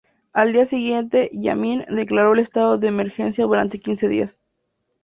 Al día siguiente, Yameen declaró el estado de emergencia durante quince días.